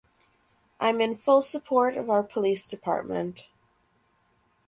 I’m in full support of our police department.